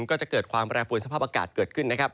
ก็จะเกิดความแปรปวนสภาพอากาศเกิดขึ้นนะครับ